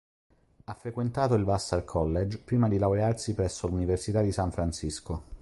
Ha frequentato il Vassar College prima di laurearsi presso l'Università di San Francisco.